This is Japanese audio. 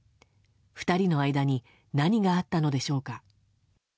２人の間に何があったのでしょうか。